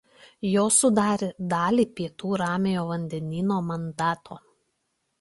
Jos sudarė dalį Pietų Ramiojo Vandenyno Mandato.